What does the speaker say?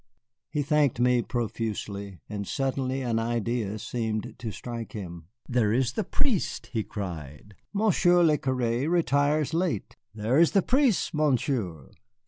He thanked me profusely, and suddenly an idea seemed to strike him. "There is the priest," he cried; "Monsieur le curé retires late. There is the priest, Monsieur."